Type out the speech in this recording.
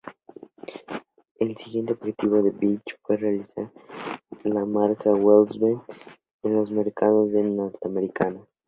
El siguiente objetivo de Piëch fue revitalizar la marca Volkswagen en los mercados norteamericanos.